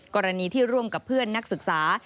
กรณีที่ร่วมกับเพื่อนนักศึกษา